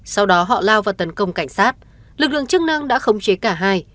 sau đó họ lao vào tấn công cảnh sát lực lượng chức năng đã khống chế cả hai